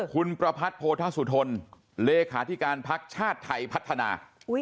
คุณประพัทธ์โพธสุทนเลขาธิการพักชาติไทยพัฒนา